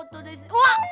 うわっ！